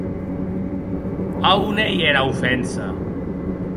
A on ei era ofensa?